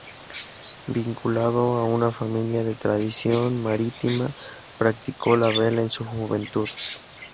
Vinculado a una familia de tradición marítima, practicó la vela en su juventud.